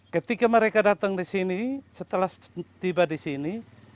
ketika mereka datang di sini setelah tiba di sini